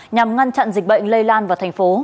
nhằm ngăn chặn dịch bệnh lây lan vào thành phố